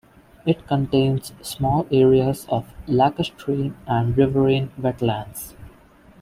It contains small areas of lacustrine and riverine wetlands.